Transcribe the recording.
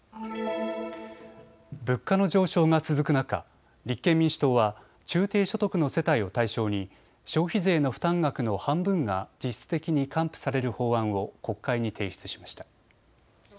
物価の上昇が続く中、立憲民主党は中・低所得の世帯を対象に消費税の負担額の半分が実質的に還付される法案を国会に提出しました。